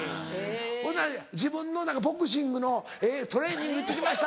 ほな自分のボクシングのトレーニング行って来ました！